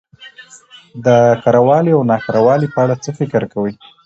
د کره والي او نا کره والي په اړه څه فکر کوؽ